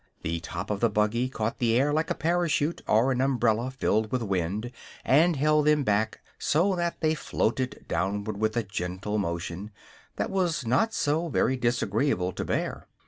The top of the buggy caught the air like a parachute or an umbrella filled with wind, and held them back so that they floated downward with a gentle motion that was not so very disagreeable to bear.